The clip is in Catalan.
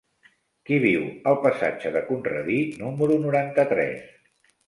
Qui viu al passatge de Conradí número noranta-tres?